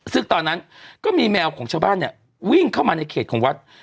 ซึ่งตอนนั้นก็มีแมวของชาวบ้านเนี่ยวิ่งเข้ามาในเขตของวัด